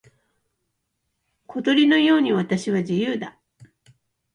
小鳥のように私は自由だ。